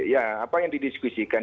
ya apa yang didiskusikan